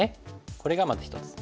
これがまず一つ。